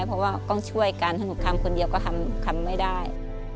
เพราะว่าต้องช่วยกันถ้าหนูทำคนเดียวก็ทำไม่ได้